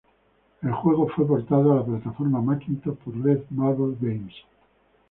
El juego fue portado a la plataforma Macintosh por Red Marble Games.